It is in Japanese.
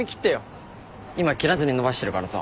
今切らずに伸ばしてるからさ。